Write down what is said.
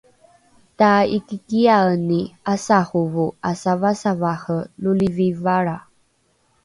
taikikiaeni ’asarovo asavasavare lolivi valra